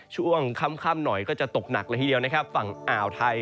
ช่วงค่ำหน่อยก็จะตกหนักเลยทีเดียวนะครับฝั่งอ่าวไทย